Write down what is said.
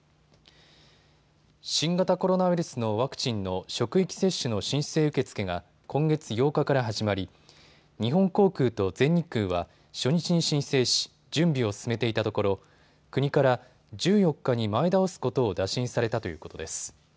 新型コロナウイルスのワクチンの職域接種の申請受け付けが今月８日から始まり日本航空と全日空は初日に申請し準備を進めていたところ国から１４日に前倒すことを打診されたということです。